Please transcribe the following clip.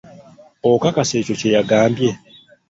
Okakasa ekyo kye yagambye?